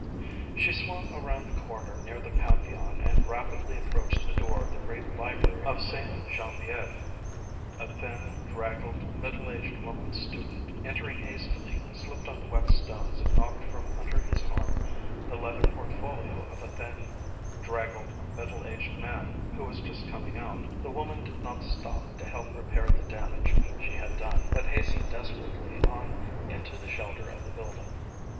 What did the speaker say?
She swung around the corner near the Pantheon and rapidly approached the door of the great Library of Ste. Geneviève. A thin, draggled, middle aged woman student, entering hastily, slipped on the wet stones and knocked from under his arm the leather portfolio of a thin, draggled, middle aged man who was just coming out. The woman did not stop to help repair the damage she had done, but hastened desperately on into the shelter of the building.